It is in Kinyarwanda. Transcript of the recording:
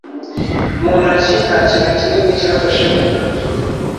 mu ntoki Nta kintu kinini cyafashe umwanzuro